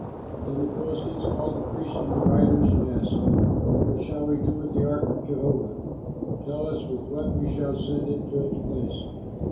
Then the Philistines called the priests and diviners and asked, "What shall we do with the ark of Jehovah? Tell us with what we shall send it to its place."